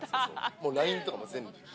もうＬＩＮＥとかも全部。